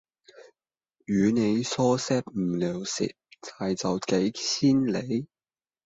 與你說些無聊事再走幾千里